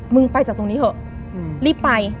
ไปจากตรงนี้เถอะรีบไป